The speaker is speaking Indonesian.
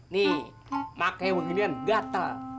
nih pake beginian gatel